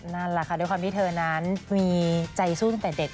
เพราะว่าความที่เธอนั้นมีใจสู้ตั้งแต่เด็ก